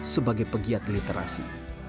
sebagai pegiat literasi